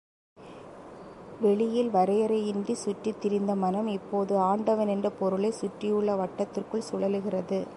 வெளியில் வரையறையின்றிச் சுற்றித் திரிந்த மனம் இப்போது ஆண்டவன் என்ற பொருளைச் சுற்றியுள்ள வட்டத்திற்குள் சுழலுகிறது.